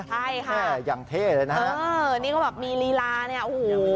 ใช่ค่ะแม่ยังเท่เลยนะฮะเออนี่ก็แบบมีลีลาเนี่ยโอ้โห